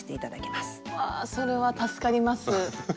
わあそれは助かります。